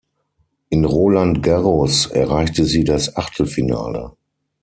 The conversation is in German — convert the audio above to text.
In Roland Garros erreichte sie das Achtelfinale.